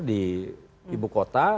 di ibu kota